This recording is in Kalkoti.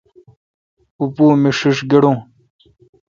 اوں پو می ݭیݭ گڑون۔